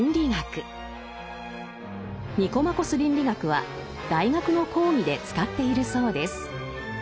「ニコマコス倫理学」は大学の講義で使っているそうです。